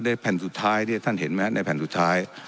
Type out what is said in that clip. แผ่นสุดท้ายเนี่ยท่านเห็นไหมในแผ่นสุดท้าย